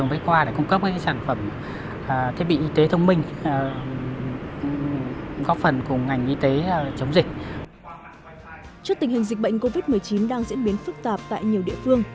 trước tình hình dịch bệnh covid một mươi chín đang diễn biến phức tạp tại nhiều địa phương